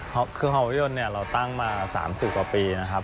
ก็คือภาพยนตร์เราตั้งมา๓๐กว่าปีนะครับ